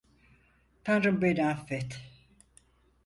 Tanrım beni affet.